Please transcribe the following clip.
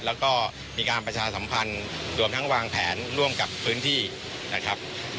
แล้วก็มีการประชาสัมพันธ์รวมทั้งวางแผนร่วมกับพื้นที่นะครับ